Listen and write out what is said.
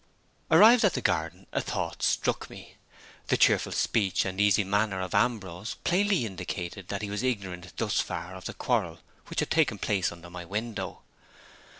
ARRIVED at the garden, a thought struck me. The cheerful speech and easy manner of Ambrose plainly indicated that he was ignorant thus far of the quarrel which had taken place under my window.